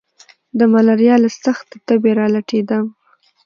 د ملاريا له سختې تبي را لټېدم.